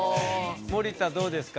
森田どうですか？